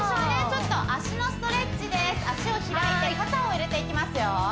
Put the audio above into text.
ちょっと足のストレッチです足を開いて肩を入れていきますよ